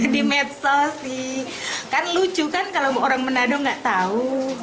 di medsos sih kan lucu kan kalau orang menado nggak tahu